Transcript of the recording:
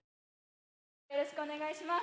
よろしくお願いします。